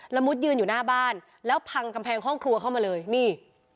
มุดยืนอยู่หน้าบ้านแล้วพังกำแพงห้องครัวเข้ามาเลยนี่